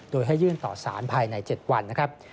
โดยให้ยื่นต่อสารภายใน๗วันนะครับ